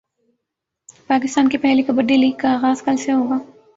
پاکستان کی پہلی کبڈی لیگ کا غاز کل سے ہوگا